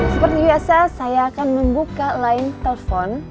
seperti biasa saya akan membuka line telepon